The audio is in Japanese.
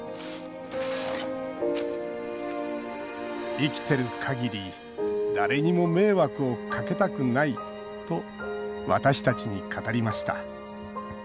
生きてるかぎり誰にも迷惑をかけたくないと私たちに語りました